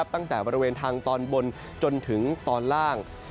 ตั้งแต่บริเวณทางตอนบนจนถึงตอนล่าง